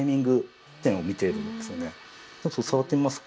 ちょっと触ってみますか？